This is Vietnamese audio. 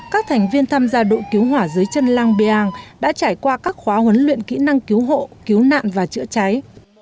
các thành viên tham gia đội cứu hỏa dưới chân lang biang đã trải qua các khóa huấn luyện kỹ năng cứu hộ cứu nạn và chữa cháy